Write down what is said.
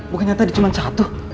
bukannya tadi cuma satu